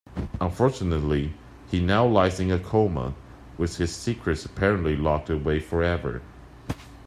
Unfortunately, he now lies in a coma, with his secrets apparently locked away forever.